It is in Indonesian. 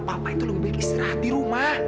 papa itu lebih beristirahat di rumah